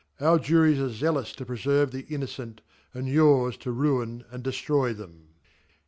Our Juries are zealous to preferve\he Innocent y and yours to ruine and deft roy them.